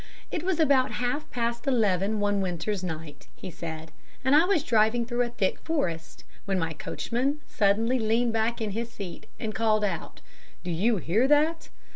"It was about half past eleven one winter's night," he said, "and I was driving through a thick forest, when my coachman suddenly leaned back in his seat and called out, 'Do you hear that?'